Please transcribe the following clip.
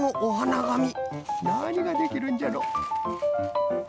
なにができるんじゃろ？